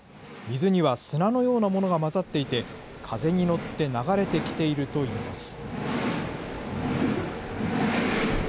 水には砂のようなものが混ざっていて、風に乗って流れてきているといいます。